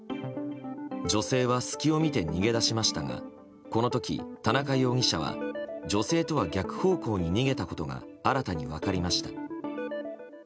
女性は隙を見て逃げ出しましたがこの時、田中容疑者は女性とは逆方向に逃げたことが新たに分かりました。